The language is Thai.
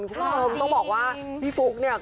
ทุกคนเพิ่มต้องบอกว่าพี่ฟุ๊คเนี่ย